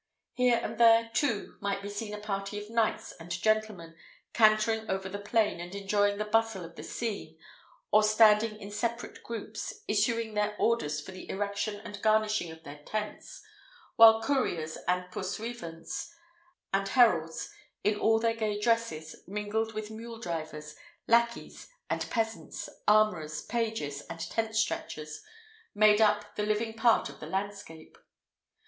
Here and there, too, might be seen a party of knights and gentlemen cantering over the plain, and enjoying the bustle of the scene, or standing in separate groups, issuing their orders for the erection and garnishing of their tents; while couriers, and pursuivants, and heralds, in all their gay dresses, mingled with mule drivers, lacqueys, and peasants, armourers, pages, and tent stretchers, made up the living part of the landscape.